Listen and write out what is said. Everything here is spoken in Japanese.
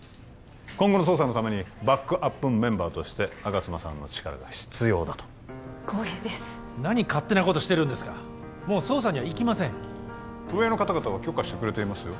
今後の捜査のためにバックアップメンバーとして吾妻さんの力が必要だと光栄です何勝手なことしてるんですかもう捜査には行きません上の方々は許可してくれていますよ